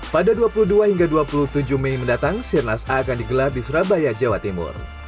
pada dua puluh dua hingga dua puluh tujuh mei mendatang sirnas a akan digelar di surabaya jawa timur